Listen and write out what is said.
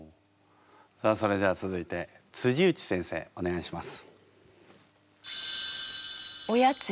さあそれでは続いて内先生お願いします。